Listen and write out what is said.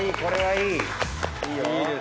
いいよ。